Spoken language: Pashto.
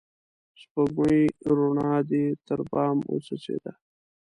سپوږمۍ روڼا دي تر بام وڅڅيده